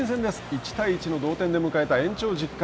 １対１の同点で迎えた延長１０回。